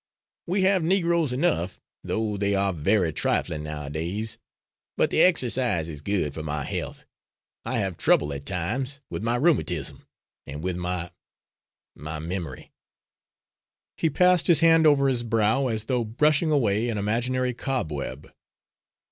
We have negroes enough, though they are very trifling nowadays, but the exercise is good for my health. I have trouble, at times, with my rheumatism, and with my my memory." He passed his hand over his brow as though brushing away an imaginary cobweb.